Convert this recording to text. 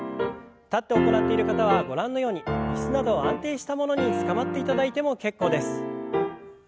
立って行っている方はご覧のように椅子など安定したものにつかまっていただいても結構です。